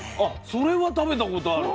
それは食べたことある。